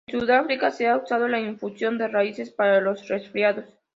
En Sudáfrica se ha usado la infusión de raíces para los resfriados.